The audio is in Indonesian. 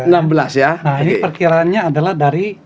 nah ini perkiraannya adalah dari